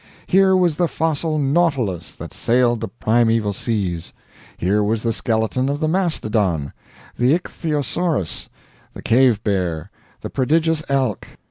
Here was the fossil nautilus that sailed the primeval seas; here was the skeleton of the mastodon, the ichthyosaurus, the cave bear, the prodigious elk.